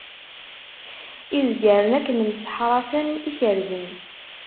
Izgaren akken mseḥṛaten i kerrzen.